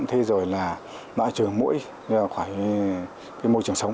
thế rồi là loại trừ mũi khỏi cái môi trường sống